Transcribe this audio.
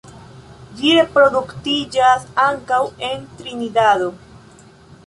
Ĝi reproduktiĝas ankaŭ en Trinidado.